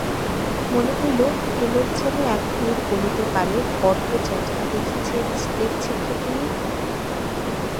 মনে হইল এ লোক যেন এখনই বলিতে পারে-বড্ড জ্যাঠা ছেলে দেখচি তো তুমি?